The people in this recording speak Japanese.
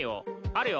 あるよ。